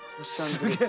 すげえ。